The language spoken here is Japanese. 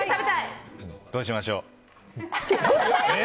どうしましょう。